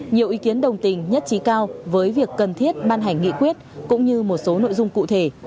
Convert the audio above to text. nhiều ý kiến đồng tình nhất trí cao với việc cần thiết ban hành nghị quyết cũng như một số nội dung cụ thể